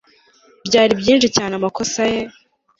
Byari byinshi cyane amakosa ye